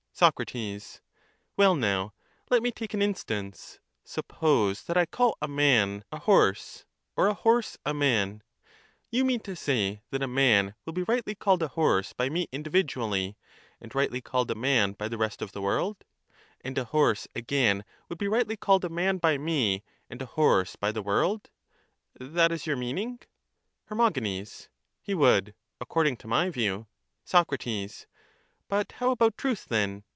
Soc. Well, now, let me take an instance; — suppose that I call a man a horse or a horse a man, you mean to say that a man will be rightly called a horse by me individually, and rightly called a man by the rest of the world ; and a horse again would be rightly called a man by me and a horse by the world :— that is your meaning? Her. He would, according to my view. Soc. But how about truth, then?